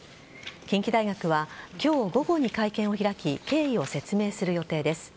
近畿大学は今日午後に会見を開き経緯を説明する予定です。